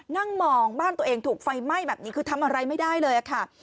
นั่งมองบ้านตัวเองถูกไฟไหม้แบบนี้คือทำอะไรไม่ได้เลยค่ะ